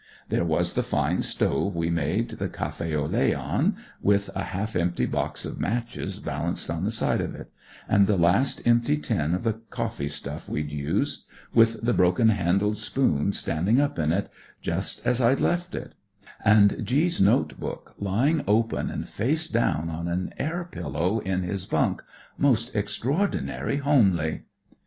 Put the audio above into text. There was the fine stove we made the caf6 au lait on, with a hdf empty box of matches balanced on the side of it, and the last empty tin of the coffee stuff we'd used, with the broken handled spoon standing up in it, just as I'd left it; and G 's note book lying open, and face down on an air pillow, in his bunk— most extraordinary homely.